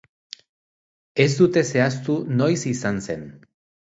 Ez dute zehaztu noiz izan zen.